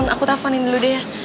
aku telfonin dulu deh ya